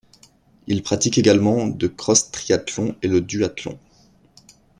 Il pratique également de cross triathlon et le duathlon.